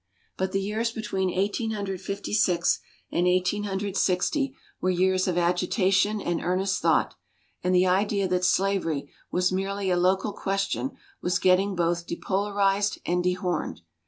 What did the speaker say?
But the years between Eighteen Hundred Fifty six and Eighteen Hundred Sixty were years of agitation and earnest thought, and the idea that slavery was merely a local question was getting both depolarized and dehorned.